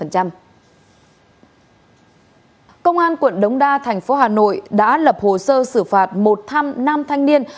công an quận đống đa thành phố hà nội đã lập hồ sơ xử phạt một tham nam thanh niên